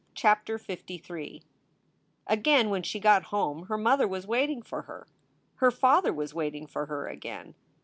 CHAPTER LIII AGAIN when she got home her mother was waiting for her. Her father was waiting for her again.